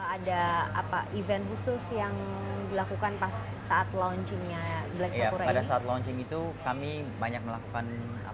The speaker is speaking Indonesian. ada event khusus yang dilakukan saat launching black sakura ini